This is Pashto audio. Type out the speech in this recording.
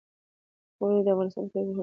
اوړي د افغانستان په طبیعت کې مهم رول لري.